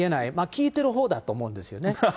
聞いてるほうだと思うんですよね。